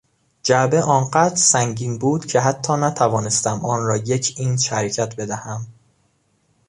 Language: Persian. جعبه آنقدر سنگین بود که حتی نتوانستم آنرا یک اینچ حرکت بدهم.